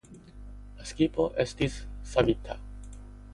La skipo estis savita.